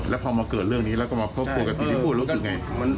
แล้วพอมาเกิดเรื่องนี้แล้วก็มาพบปกติที่พูดรู้สึกอย่างไร